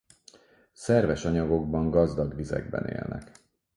Szerves anyagokban gazdag vizekben élnek.